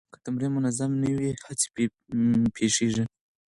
که تمرین منظم نه وي، څه پېښېږي؟